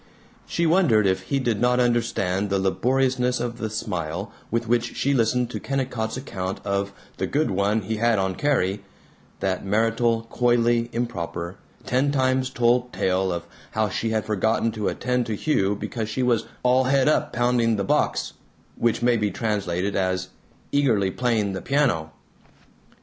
She wondered if he did not understand the laboriousness of the smile with which she listened to Kennicott's account of the "good one he had on Carrie," that marital, coyly improper, ten times told tale of how she had forgotten to attend to Hugh because she was "all het up pounding the box" which may be translated as "eagerly playing the piano."